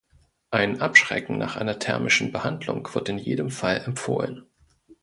Ein Abschrecken nach einer thermischen Behandlung wird in jedem Fall empfohlen.